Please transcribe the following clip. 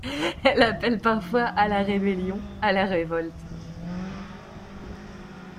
Elle appelle parfois à la rébellion, à la révolte.